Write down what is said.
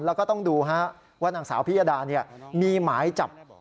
แล้วก็ต้องดูว่านางสาวพิยดามีหมายจับ